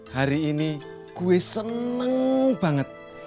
hari ini gue seneng banget